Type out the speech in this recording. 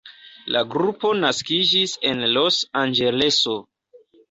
La grupo naskiĝis en Los Anĝeleso.